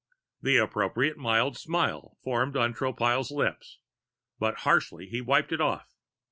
The appropriate mild smile formed on Tropile's lips, but harshly he wiped it off.